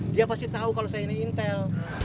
dia pasti tahu kalau saya ini intel